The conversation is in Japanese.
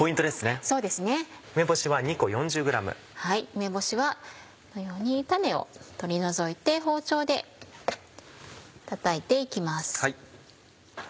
梅干しはこのように種を取り除いて包丁でたたいて行きます。